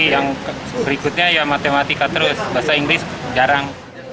yang berikutnya ya matematika terus bahasa inggris jarang